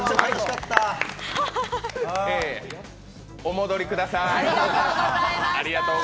お戻りください